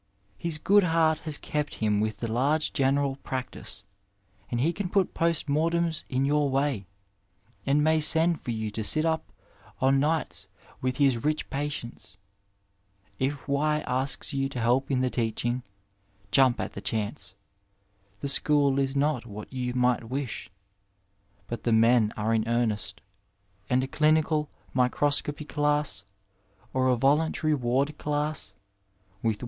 His good heart has kept him with a large general practice, and he can put post mortems in your way, and may send for you to sit up o' nights with his rich patients. If Y, asks you to help in the teaching, jump at the chance. The school is not what you might wish, but the men are in earnest, and a clinical microscopy class or a voluntary ward class, with Y.'